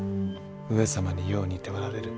上様によう似ておられる。